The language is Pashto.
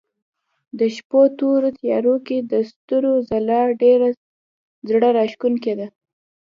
د شپو تورو تيارو کې د ستورو ځلا ډېره زړه راښکونکې ده.